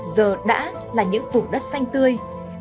giờ đã là những vùng đất xanh tươi